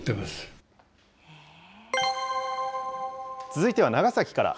続いては長崎から。